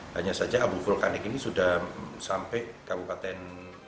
hanya saja abu vulkanik ini sudah sampai kabupaten